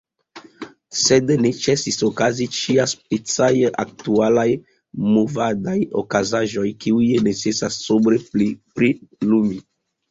Sed ne ĉesis okazi ĉiaspecaj aktualaj movadaj okazaĵoj, kiujn necesas sobre prilumi.